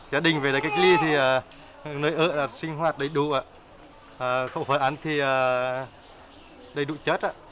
gia đình về đây cách ly thì nơi ơ sinh hoạt đầy đủ không phải ăn thì đầy đủ chất